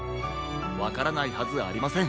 わからないはずありません。